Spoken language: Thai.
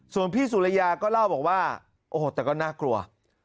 ส่วนพี่สุริยาก็เล่าบอกว่าโอ้โหแต่ก็น่ากลัว